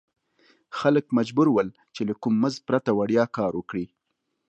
خلک مجبور ول چې له کوم مزد پرته وړیا کار وکړي.